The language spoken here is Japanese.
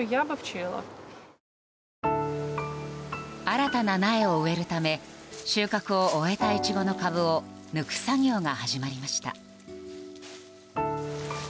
新たな苗を植えるため収穫を終えたイチゴの株を抜く作業が始まりました。